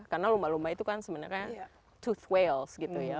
karena lumba lumba itu kan sebenarnya toothed whales gitu ya